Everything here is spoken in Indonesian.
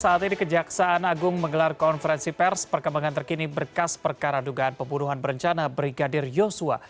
saat ini kejaksaan agung menggelar konferensi pers perkembangan terkini berkas perkara dugaan pembunuhan berencana brigadir yosua